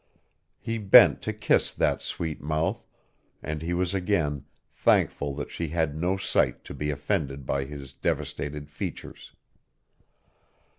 He bent to kiss that sweet mouth, and he was again thankful that she had no sight to be offended by his devastated features.